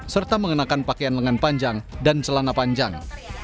serta mengenakan pakaian lengan panjang dan celana panjang